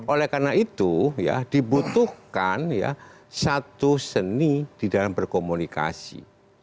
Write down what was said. oleh karena itu ya dibutuhkan satu seni di dalam berkomunikasi